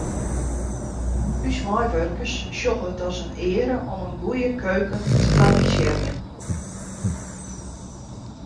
Us meiwurkers sjogge it as in eare om in goede keuken te fabrisearjen.